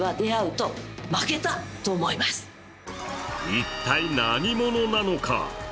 一体、何者なのか。